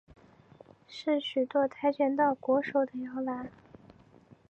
是许多跆拳道国手的摇篮。